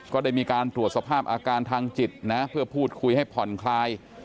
ก็ได้มีการตรวจสภาพอาการทางจิตนะเพื่อพูดคุยให้ผ่อนคลาย